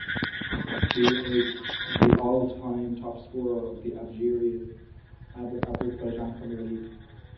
He is the all time topscorer of the Azerbaijan Premier League.